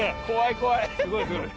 怖い怖い。